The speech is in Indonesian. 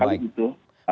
pertama kali itu